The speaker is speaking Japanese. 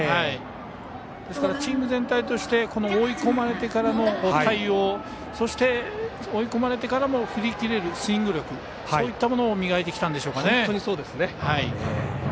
ですからチーム全体として追い込まれてからの対応、そして追い込まれてからも振り切れるスイング力そういったものを磨いてきたんでしょうかね。